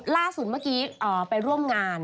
ล่าสุดเมื่อกี้ไปร่วมงาน